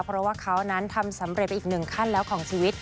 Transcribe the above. เพราะว่าเขานั้นทำสำเร็จไปอีกหนึ่งขั้นแล้วของชีวิต